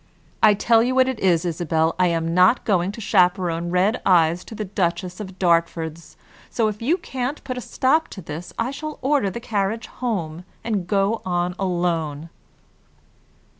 I tell you what it is, Isabel, I am not going to chaperone red eyes to the Duchess of Dartford's, so if you can't put a stop to this, I shall order the carriage home, and go on alone."